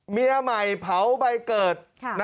เมียใหม่เผาใบเกิด